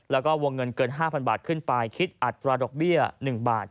แล้วก็วงเงินเกิน๕๐๐บาทขึ้นไปคิดอัตราดอกเบี้ย๑บาท